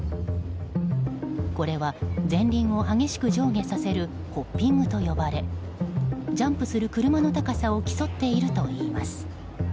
これは前輪を激しく上下させるホッピングと呼ばれジャンプする車の高さを競っているといいます。